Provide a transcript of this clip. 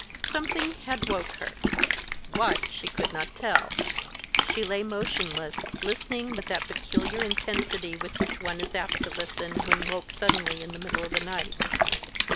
Something had woke her; what, she could not tell. She lay motionless, listening with that peculiar intensity with which one is apt to listen when woke suddenly in the middle of the night.